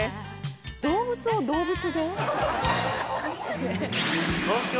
動物を動物で？